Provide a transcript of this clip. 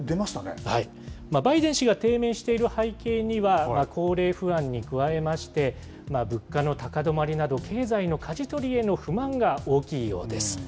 バイデン氏が低迷している背景には、高齢不安に加えまして、物価の高止まりなど、経済のかじ取りへの不満が大きいようです。